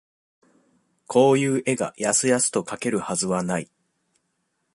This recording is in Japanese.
こういう絵が、やすやすと描けるはずはない。